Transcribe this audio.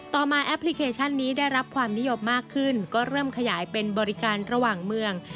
มาแอปพลิเคชันนี้ได้รับความนิยมมากขึ้นก็เริ่มขยายเป็นบริการระหว่างเมือง